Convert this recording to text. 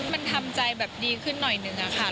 มันทำใจแบบดีขึ้นหน่อยหนึ่งอะค่ะ